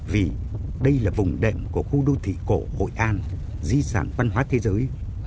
vì đây là vùng đệm của khu đô thị cổ hội an di sản văn hóa thế giới